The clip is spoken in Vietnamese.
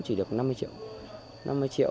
chỉ được năm mươi triệu